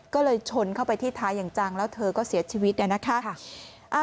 ก็เลยชนเข้าไปที่ท้ายอย่างจังแล้วเธอก็เสียชีวิตนะคะ